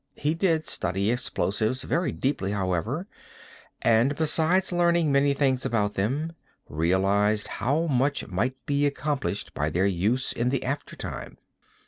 He did study explosives very deeply, however, and besides learning many things about them realized how much might be accomplished by their use in the after time.